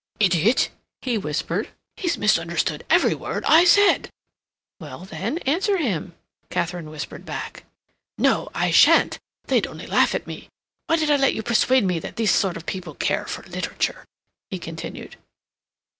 "Idiot!" he whispered. "He's misunderstood every word I said!" "Well then, answer him," Katharine whispered back. "No, I shan't! They'd only laugh at me. Why did I let you persuade me that these sort of people care for literature?" he continued.